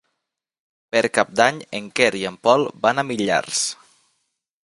Per Cap d'Any en Quer i en Pol van a Millars.